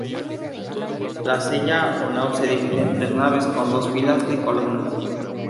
La Cella o naos se divide en tres naves con dos filas de columnas.